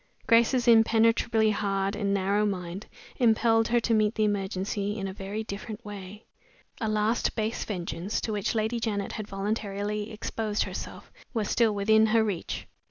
Grace's impenetrably hard and narrow mind impelled her to meet the emergency in a very different way. A last base vengeance, to which Lady Janet had voluntarily exposed herself, was still within her reach.